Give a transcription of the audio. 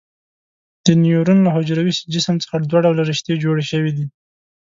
د نیورون له حجروي جسم څخه دوه ډوله رشتې جوړې شوي دي.